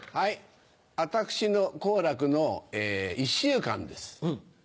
私の好楽の１週間です。